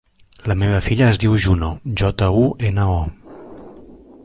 La meva filla es diu Juno: jota, u, ena, o.